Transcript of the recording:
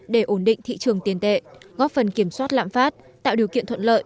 để ổn định thị trường tiền tệ góp phần kiểm soát lạm phát tạo điều kiện thuận lợi